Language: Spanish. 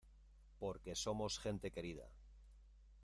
porque somos gente querida.